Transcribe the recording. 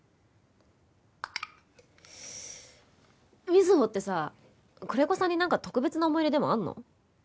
瑞穂ってさ久連木さんになんか特別な思い入れでもあるの？